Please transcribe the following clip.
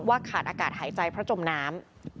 ขาดอากาศหายใจเพราะจมน้ำ